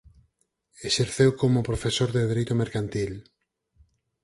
Exerceu como profesor de dereito mercantil.